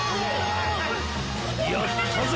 やったぜ！